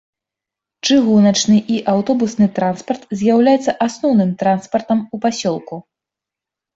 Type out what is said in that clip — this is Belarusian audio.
Чыгуначны і аўтобусны транспарт з'яўляецца асноўным транспартам у пасёлку.